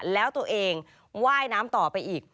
แล้วตัวเองว่ายน้ำต่อไปอีก